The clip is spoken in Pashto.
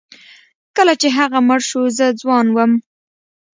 کله چې هغه مړ شو زه ځوان وم.